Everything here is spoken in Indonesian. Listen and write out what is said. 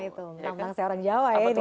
tampang saya orang jawa ya ini ya